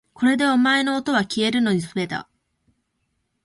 これでお前のおとはきえるの術だ